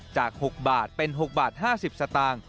จาก๖บาทเป็น๖บาท๕๐สตางค์